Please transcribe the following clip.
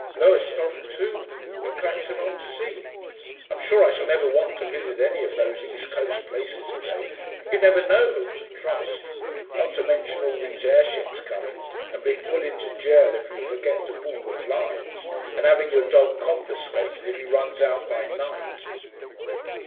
Lowestoft too, and Clacton on Sea. I'm sure I shall never want to visit any of those East Coast places again; you'd never know whom to trust; not to mention all these airships coming, and being put into gaol if you forget to pull the blinds, and having your dog confiscated if he runs out by night....